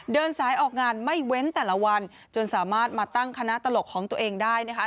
เดินสายออกงานไม่เว้นแต่ละวันจนสามารถมาตั้งคณะตลกของตัวเองได้นะคะ